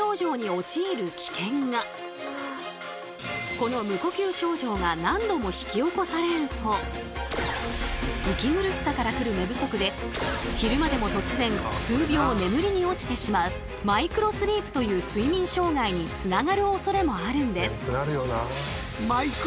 この無呼吸症状が何度も引き起こされると息苦しさから来る寝不足で昼間でも突然数秒眠りに落ちてしまうマイクロスリープという睡眠障害につながるおそれもあるんです。